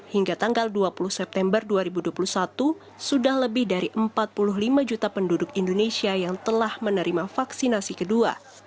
hingga tanggal dua puluh september dua ribu dua puluh satu sudah lebih dari empat puluh lima juta penduduk indonesia yang telah menerima vaksinasi kedua